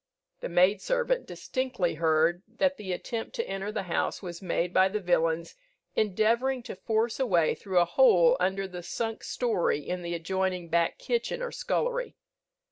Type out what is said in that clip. The maid servant distinctly heard that the attempt to enter the house was made by the villains endeavouring to force a way through a hole under the sunk story in the adjoining back kitchen or scullery.